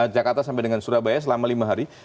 jakarta sampai dengan surabaya selama lima hari